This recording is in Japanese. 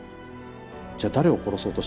じゃあ誰を殺そうとしてたのかな。